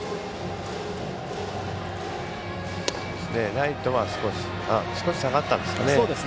ライトは少し下がったんですかね。